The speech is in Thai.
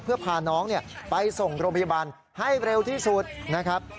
เพื่อพาน้องไปส่งโรงพยาบาลให้เร็วที่สุดนะครับ